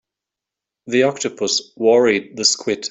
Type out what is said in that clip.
The octopus worried the squid.